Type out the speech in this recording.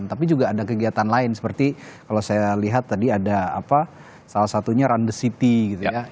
tapi juga ada kegiatan lain seperti kalau saya lihat tadi ada apa salah satunya run the city gitu ya